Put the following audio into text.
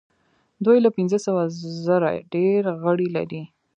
دوی له پنځه سوه زره ډیر غړي لري.